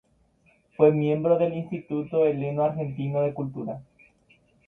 Fue miembro del Instituto Heleno-Argentino de Cultura.